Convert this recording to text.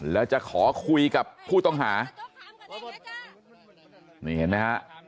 แล้วจะขอคุยกับผู้ต้องหานี่เห็นไหมฮะ